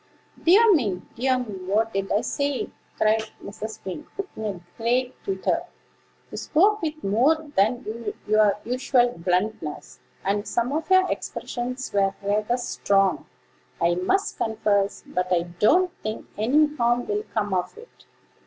"Dear me! dear me! what did I say?" cried Mrs. Wing, in a great twitter. "You spoke with more than your usual bluntness, and some of your expressions were rather strong, I must confess; but I don't think any harm will come of it.